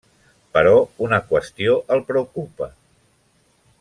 Però una qüestió el preocupa.